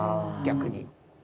逆に。